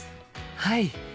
はい！